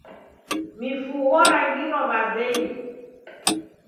Mifugho rangirwa w'azenyi.